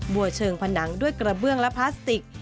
วัวเชิงผนังด้วยกระเบื้องและพลาสติก